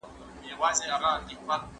هغه په لمانځه کې په شک کې ولوېده.